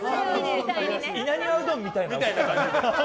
稲庭うどんみたいな置き方ね。